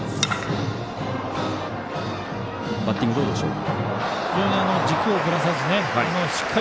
バッティングどうでしょうか？